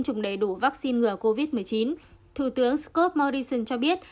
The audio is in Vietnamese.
chủng đầy đủ vaccine ngừa covid một mươi chín thủ tướng scott morrison cho biết